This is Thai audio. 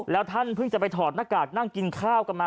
แล้วท่านเพิ่งจะไปถอดหน้ากากนั่งกินข้าวกันมา